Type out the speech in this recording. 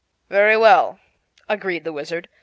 "Very well," agreed the Wizard.